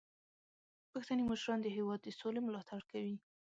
پښتني مشران د هیواد د سولې ملاتړ کوي.